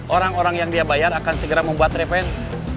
orang orang yang dia bayar akan segera membuat revenue